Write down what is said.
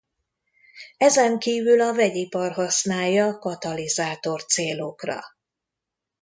Ezen kívül a vegyipar használja katalizátor célokra.